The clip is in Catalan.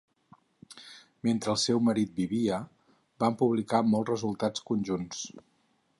Mentre el seu marit vivia, van publicar molts resultats conjunts.